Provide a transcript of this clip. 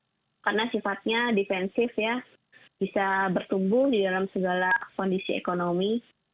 karena sifatnya defensif ya bisa bertumbuh di dalam segala kondisi ekonomi